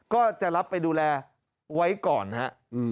ก็จะรับไปดูแลไว้ก่อนฮะ